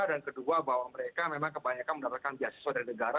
dan kedua bahwa mereka memang kebanyakan mendapatkan biaya siswa dari negara